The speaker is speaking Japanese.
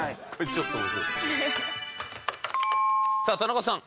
さあ田中さん